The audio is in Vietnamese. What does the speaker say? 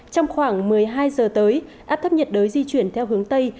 trong khoảng một mươi hai giờ tới áp thấp nhiệt đới di chuyển theo hướng tây